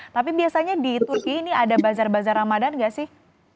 tapi biasanya di turki ini ada bazar bazar ramadan nggak sih